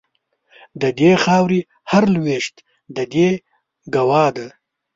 د دې خاوري هر لوېشت د دې ګوا ده